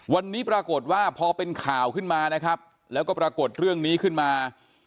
วันนี้ปรากฏว่าพอเป็นข่าวขึ้นมานะครับแล้วก็ปรากฏเรื่องนี้ขึ้นมา